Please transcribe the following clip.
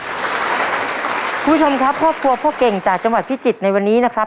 คุณผู้ชมครับครอบครัวพ่อเก่งจากจังหวัดพิจิตรในวันนี้นะครับ